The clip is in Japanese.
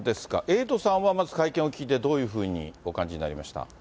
エイトさんはまず会見を聞いて、どういうふうにお感じになりました？